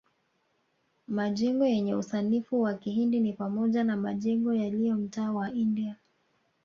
Majengo yenye usanifu wa kihindi ni pamoja na majengo yaliyo mtaa wa India